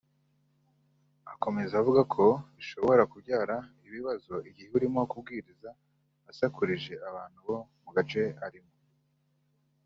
Akomeza avuga ko bishobora kubyara ikibazo igihe urimo kubwiriza asakurije abantu bo mu gace arimo